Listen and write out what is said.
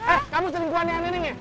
eh kamu selingkuh aneh aneh neng